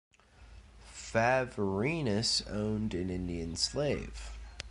Favorinus owned an Indian slave.